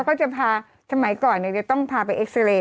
ก็จะพาสมัยก่อนจะต้องพาไปเอ็กซาเรย์